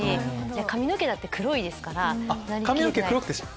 髪の毛だって黒いですから。